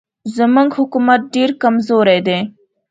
زموږ حکومت ډېر کمزوری دی.